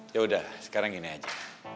yaudah sekarang gini aja